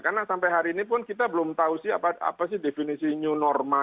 karena sampai hari ini pun kita belum tahu sih apa sih definisi new normal